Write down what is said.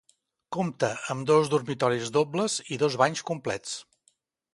Compta amb dos dormitoris dobles i dos banys complets.